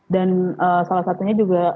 dan salah satunya juga